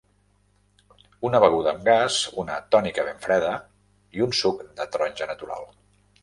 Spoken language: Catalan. Una beguda amb gas, una tònica ben freda i un suc de taronja natural.